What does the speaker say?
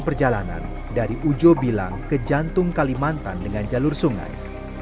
pada besok hari kami akan berjalan ke jantung kalimantan dengan jalur sungai